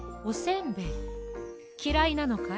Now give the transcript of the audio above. きらいなのかい？